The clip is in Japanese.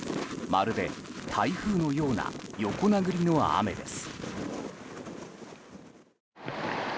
まるで台風のような横殴りの雨です。